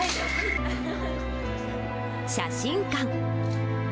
写真館。